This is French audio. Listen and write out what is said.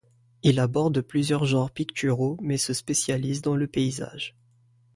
Il aborde plusieurs genres picturaux mais se spécialise dans le paysage.